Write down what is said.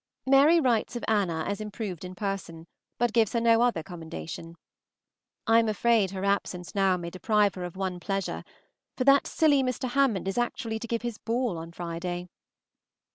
Mary writes of Anna as improved in person, but gives her no other commendation. I am afraid her absence now may deprive her of one pleasure, for that silly Mr. Hammond is actually to give his ball on Friday.